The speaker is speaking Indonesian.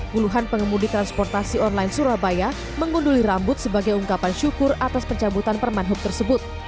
puluhan pengemudi transportasi online surabaya mengunduli rambut sebagai ungkapan syukur atas pencabutan permanhub tersebut